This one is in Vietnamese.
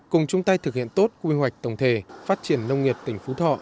cùng chung tay thực hiện tốt quy hoạch tổng thể phát triển nông nghiệp tỉnh phú thọ